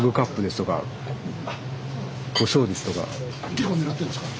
結構狙ってるんですか？